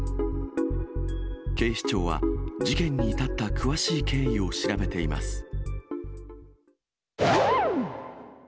警視庁は、事件に至った詳しい経緯を調べています。